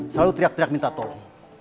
selalu teriak teriak minta tolong